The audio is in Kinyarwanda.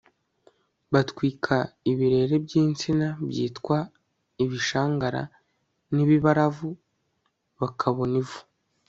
batwika ibirere by'insina, byitwa ibishangara n'ibibaravu, bakabona ivu